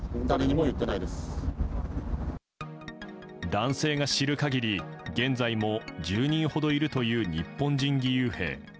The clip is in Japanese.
男性が知る限り現在も１０人ほどいるという日本人義勇兵。